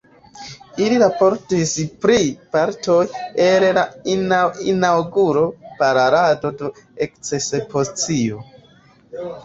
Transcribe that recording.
Ili raportis pri partoj el la inaŭgura parolado de la ekspozicio.